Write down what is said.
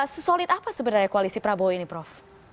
sesolid apa sebenarnya koalisi prabowo ini prof